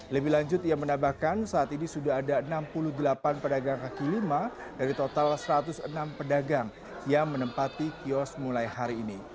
lebih lanjut ia menambahkan saat ini sudah ada enam puluh delapan pedagang kaki lima dari total satu ratus enam pedagang yang menempati kios mulai hari ini